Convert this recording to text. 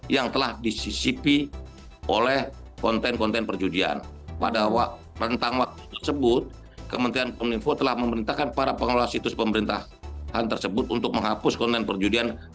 selamat sore pak menteri